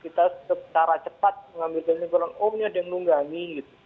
kita harus mengambil kesimpulan secara cepat mengambil kesimpulan oh ini ada yang menunggangi